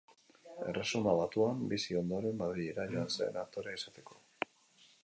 Erresuma Batuan bizi ondoren Madrilera joan zen aktorea izateko.